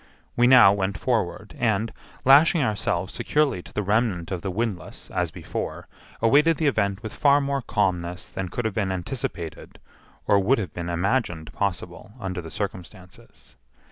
We now went forward, and, lashing ourselves securely to the remnant of the windlass as before, awaited the event with far more calmness than could have been anticipated or would have been imagined possible under the circumstances.